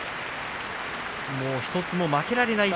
もう１つも負けられない